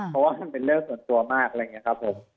เพราะว่ามันเป็นเรื่องส่วนตัวมากอะไรอย่างนี้ครับผม